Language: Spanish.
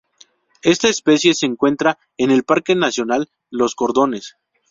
Esta especie se encuentra en el Parque Nacional Los Cardones.